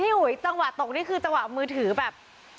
อุ๋ยจังหวะตกนี่คือจังหวะมือถือแบบ